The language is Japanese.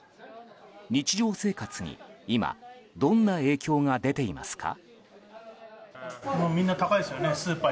日常生活に今、どんな影響が出ていますか？